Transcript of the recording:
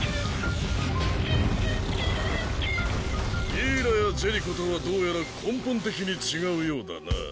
ギーラやジェリコとはどうやら根本的に違うようだな。